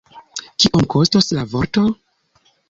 Kiom kostas la vorto?